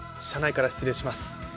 車内から失礼します。